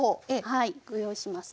はいご用意しますね。